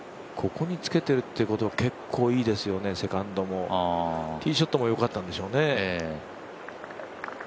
ここにつけてるってことは結構いいですよね、セカンドも、ティーショットも良かったんでしょうね。